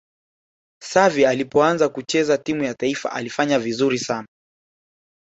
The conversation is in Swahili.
xavi alipoanza kucheza timu ya taifa alifanya vizuri sana